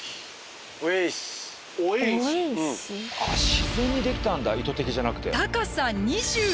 自然にできたんだ意図的じゃなくて。